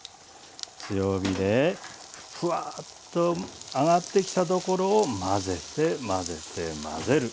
強火でフワーッと上がってきたところを混ぜて混ぜて混ぜる。